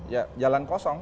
ya jalan kosong